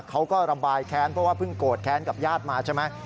เขาก็ระบายแค้นเพราะว่าเพิ่งโกรธแค้นกับญาติมาใช่ไหม